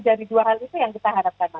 dari dua hal itu yang kita harapkan